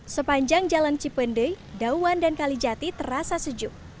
sepanjang jalan cipendei dauan dan kalijati terasa sejuk